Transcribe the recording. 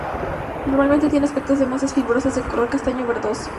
Normalmente tiene aspecto de masas fibrosas de color castaño verdoso.